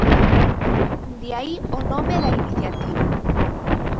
De aí o nome da iniciativa.